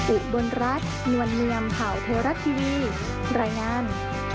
อุบลรัฐนวลเนียมข่าวเทวรัฐทีวีรายงาน